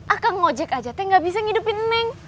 akang ngejek aja teh gak bisa ngidupin neng